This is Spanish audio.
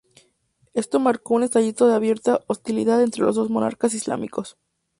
Esto marcó un estallido de abierta hostilidad entre los dos monarcas islámicos.